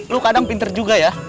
lo kadang pinter juga ya